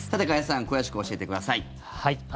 加谷さん詳しく教えてください。